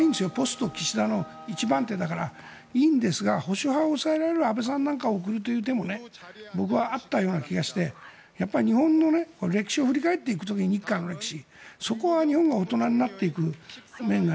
ポスト岸田派の一番手だからいいんですが保守派を抑える意味で安倍さんを送るという意味も僕はあったような気がして日本の歴史を振り返っていく時に日韓の歴史。